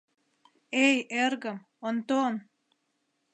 — Эй, эргым, Онтон!